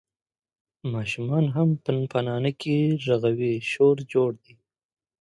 ماشومان هم پنپنانکي غږوي، شور جوړ دی.